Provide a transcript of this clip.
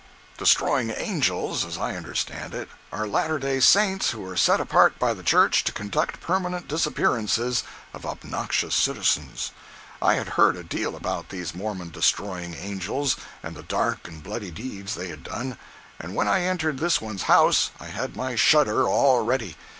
"Destroying Angels," as I understand it, are Latter Day Saints who are set apart by the Church to conduct permanent disappearances of obnoxious citizens. I had heard a deal about these Mormon Destroying Angels and the dark and bloody deeds they had done, and when I entered this one's house I had my shudder all ready.